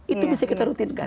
itu bisa kita rutinkan